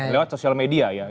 lewat sosial media ya